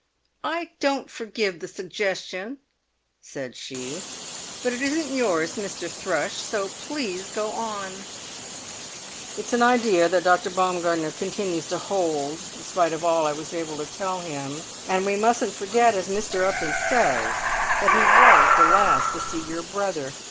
"I don't forgive the suggestion," said she; "but it isn't yours, Mr. Thrush, so please go on." "It's an idea that Dr. Baumgartner continues to hold in spite of all I was able to tell him, and we mustn't forget, as Mr. Upton says, that he was the last to see your brother.